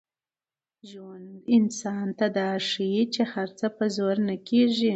ژوند انسان ته دا ښيي چي هر څه په زور نه کېږي.